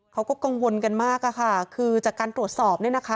เขาก็กังวลกันมากอะค่ะคือจากการตรวจสอบเนี่ยนะคะ